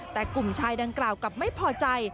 แต่กลุ่มชายดังกล่าวกลับไม่พอใจ